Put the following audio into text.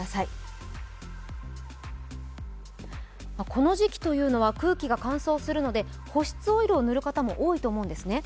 この時期は空気が乾燥するので、保湿オイルを塗る方も多いと思うんですね。